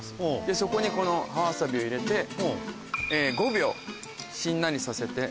そこにこの葉ワサビを入れて５秒しんなりさせて。